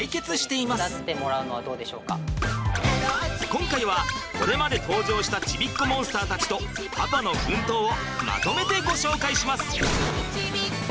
今回はこれまで登場したちびっこモンスターたちとパパの奮闘をまとめてご紹介します。